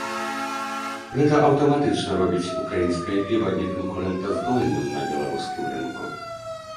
Гэта аўтаматычна робіць ўкраінскае піва неканкурэнтаздольным на беларускім рынку.